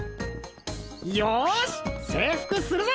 よし征服するぞ！